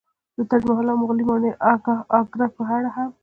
د تاج محل او مغولي ماڼۍ اګره په اړه هم